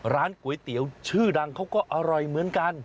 ร้านก๋วยเตี๋ยวชื่อดังเขาก็อร่อยเหมือนกัน